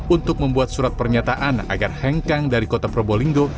untuk membuat surat pernyataan agar hengkang dari kota probolinggo